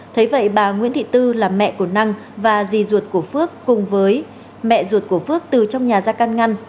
thấy vậy bà nguyễn thị tư là mẹ của năng và rì ruột của phước cùng với mẹ ruột của phước từ trong nhà ra can ngăn